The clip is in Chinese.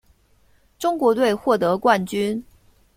中国队获得冠军。